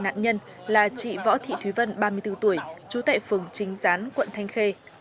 nạn nhân là chị võ thị thúy vân ba mươi bốn tuổi trú tại phường chính gián quận thanh khê